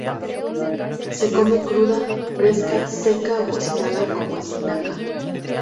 Se come cruda, fresca, seca o cocinada como espinaca.